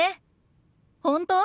本当？